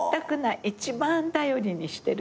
一番頼りにしてるぐらい。